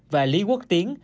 và lý quốc tiến